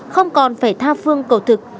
không còn phải tha phương cầu thực